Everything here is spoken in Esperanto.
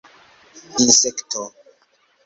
insekto